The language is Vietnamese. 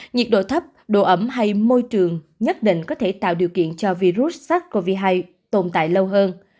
nhiệt độ thấp độ ẩm hay môi trường nhất định có thể tạo điều kiện cho virus sars cov hai tồn tại lâu hơn